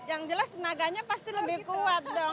yang jelas tenaganya pasti lebih kuat dong